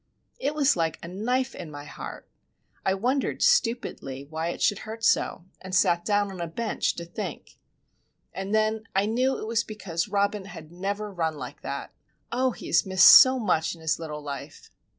It was like a knife in my heart! I wondered stupidly why it should hurt so, and sat down on a bench to think;—and then I knew it was because Robin had never run like that. Oh, he has missed so much in his little life!